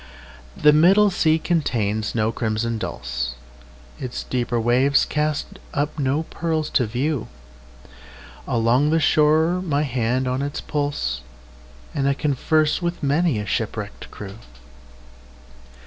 The middle sea contains no crimson dulse, Its deeper waves cast up no pearls to view; Along the shore my hand is on its pulse, And I converse with many a shipwrecked crew.